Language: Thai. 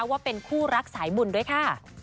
ว่าเป็นคู่รักสายบุญด้วยค่ะ